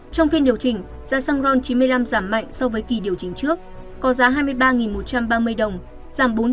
trong phiên điều chỉnh giá xăng ron chín mươi năm giảm mạnh so với kỳ điều chỉnh trước có giá hai mươi ba một trăm ba mươi đồng giảm bốn trăm một mươi đồng một lít